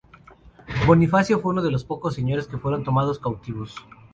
Bonifacio fue uno de los pocos señores que fueron tomados cautivos.